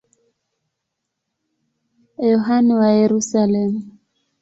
Yohane wa Yerusalemu.